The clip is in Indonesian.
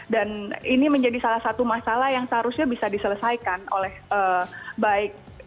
dan ini menjadi salah satu masalah yang seharusnya bisa diselesaikan oleh baik